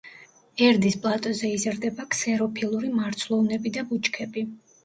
ერდის პლატოზე იზრდება ქსეროფილური მარცვლოვნები და ბუჩქები.